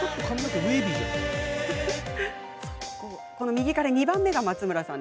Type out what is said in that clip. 右から２番目が松村さん。